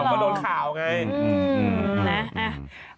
ก็โดนข่าวไง